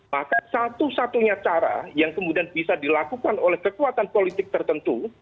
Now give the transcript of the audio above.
maka satu satunya cara yang kemudian bisa dilakukan oleh kekuatan politik tertentu